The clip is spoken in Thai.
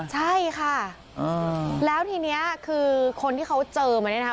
ใช่ค่ะแล้วทีนี้คือคนที่เขาเจอมาเนี่ยนะคะ